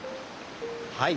はい。